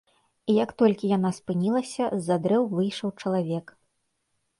І як толькі яна спынілася, з-за дрэў выйшаў чалавек.